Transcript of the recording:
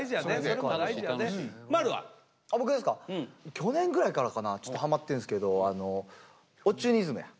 去年ぐらいからかなちょっとハマってるんですけどＯｃｈｕｎｉｓｍや。